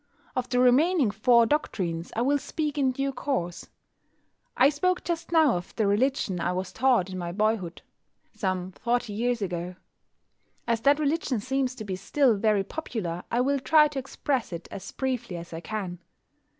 Of the remaining four doctrines I will speak in due course. I spoke just now of the religion I was taught in my boyhood, some forty years ago. As that religion seems to be still very popular I will try to express it as briefly as I can.